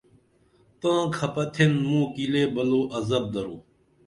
تاں کھپہ تھین موں کی لے بلو عزب درو